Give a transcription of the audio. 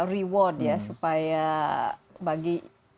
reward ya supaya bagi yang mendonasi ini ya